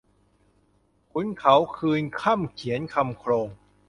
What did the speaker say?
ขุนเขาคืนค่ำเขียนคำโคลง